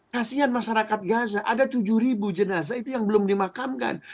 kasian masyarakat gaza ada tujuh ribu jenazah itu yang belum dimakamkan